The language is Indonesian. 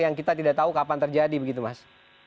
yang kita tidak tahu kapan terjadi begitu mas